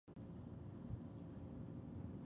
زه له ټولو سره خپل د هیچا نه یم